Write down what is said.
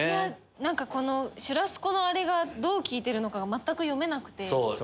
シュラスコのあれがどう利いてるか全く読めなくて。